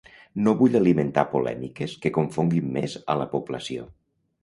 No vull alimentar polèmiques que confonguin més a la població.